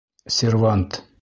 Сервант!